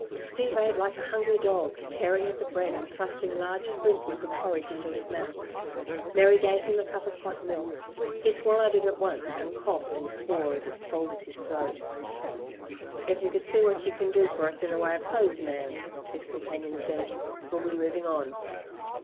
Steve ate like a hungry dog, tearing at the bread, and thrusting large spoonfuls of porridge into his mouth. Mary gave him a cup of hot milk. He swallowed it at once, and coughed and swore as it scalded his throat. "If you could see what you can do for us in the way of clothes, ma'am," his companion said, "we'll be moving on."